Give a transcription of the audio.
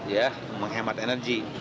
ya menghemat energi